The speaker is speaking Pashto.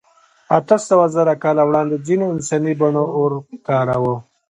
اتهسوهزره کاله وړاندې ځینو انساني بڼو اور کاراوه.